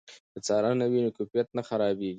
که څارنه وي نو کیفیت نه خرابېږي.